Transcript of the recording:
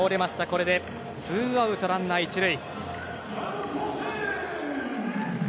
これでツーアウトランナー、１塁。